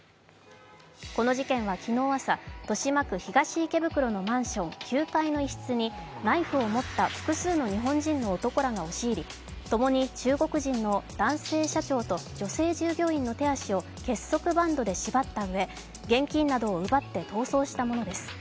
この事件は昨日朝、豊島区東池袋のマンション９階の一室にナイフを持った複数の日本人の男らが押し入り、共に中国人の男性社長と女性従業員の手足を結束バンドで縛ったうえ、現金などを奪って逃走したものです。